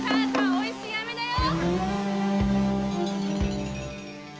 おいしい飴だよ！